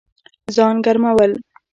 ځان ګرمول